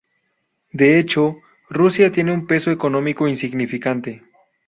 De hecho, Rusia tiene un peso económico insignificante.